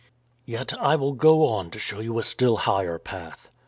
" Yet I will go on to show you a still higher path.